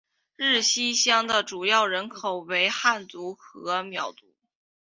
日溪乡的主要人口为汉族和畲族。